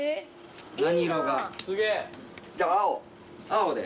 青で。